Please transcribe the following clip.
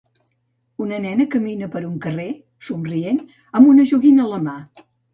Una nena camina per un carrer somrient, amb una joguina a la mà.